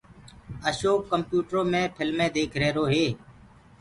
اشوڪ ڪمپيوٽرو مي ڦلمينٚ ديک ريهرو هي